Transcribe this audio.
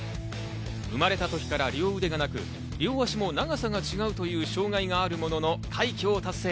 生まれた時から両腕がなく両足も長さが違うという障害があるものの快挙を達成。